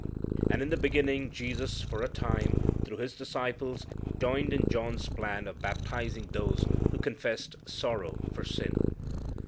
And in the beginning Jesus for a time, through His disciples, joined in John's plan of baptizing those who confessed sorrow for sin.